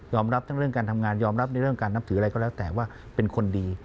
รับทั้งเรื่องการทำงานยอมรับในเรื่องการนับถืออะไรก็แล้วแต่ว่าเป็นคนดี